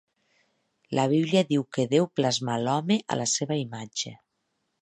La Bíblia diu que Déu plasmà l'home a la seva imatge.